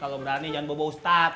kalo berani jangan bawa bau ustaz